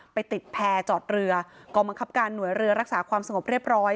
ไปติดแพร่จอดเรือกองบังคับการหน่วยเรือรักษาความสงบเรียบร้อย